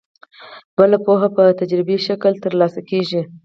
بله پوهه په تجربوي شکل ترلاسه کیږي.